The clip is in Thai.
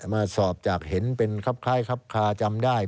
มาสอบจับเห็นเป็นครับคล้ายครับคาจำได้